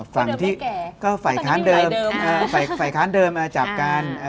ฝ่างที่ฝ่ายค้านเดิมจับการ